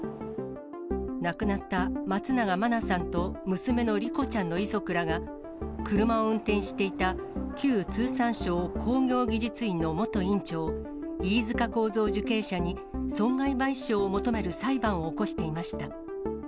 亡くなった松永真菜さんと娘の莉子ちゃんの遺族らが、車を運転していた、旧通産省工業技術院の元院長、飯塚幸三受刑者に、損害賠償を求める裁判を起こしていました。